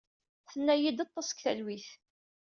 Tenna-iyi-d ḍḍes deg talwit.